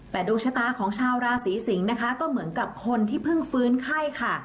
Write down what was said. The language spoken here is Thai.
แต่ดวงชะตาของชาวราศีสิงศ์นะคะก็เหมือนกับคนที่เพิ่งฟื้นไข้ค่ะ